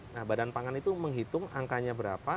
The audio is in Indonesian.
nah badan pangan itu menghitung angkanya berapa